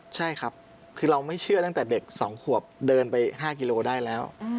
ใช่ครับคือเราไม่เชื่อตั้งแต่เด็ก๒ขวบเดินไป๕กิโลได้แล้ว